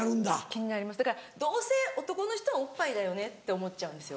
気になりますだからどうせ男の人はオッパイだよねって思っちゃうんですよ。